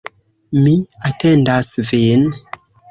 Mi atendas vin.